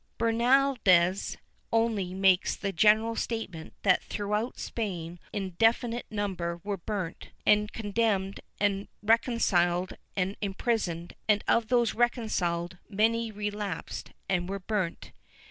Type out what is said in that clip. ^ Bernaldez only makes the general statement that throughout Spain an infi nite number were burnt and condemned and reconciled and imprisoned, and of those reconciled many relapsed and were burnt.